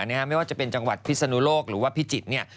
ไม่ว่าจะเป็นจังหวัดพิศนุโลกหรือว่าพิจิตรเนี่ย